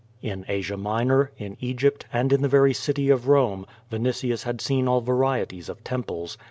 In Asia Minor, in Egypt, and in the very city of Home, Vinitius had seen all varietieB of temples.